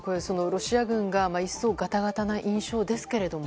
ロシア軍が一層ガタガタな印象ですけれども。